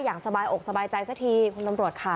อย่างสบายอกสบายใจสักทีคุณตำรวจค่ะ